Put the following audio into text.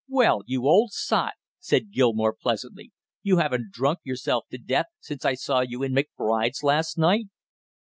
"Well, you old sot!" said Gilmore pleasantly. "You haven't drunk yourself to death since I saw you in McBride's last night?"